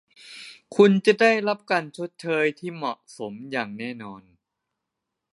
คุณจะได้รับการชดเชยที่เหมาะสมอย่างแน่นอน